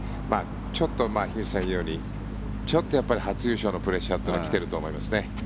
ちょっと樋口さんが言うように初優勝のプレッシャーというのは来ていると思いますね。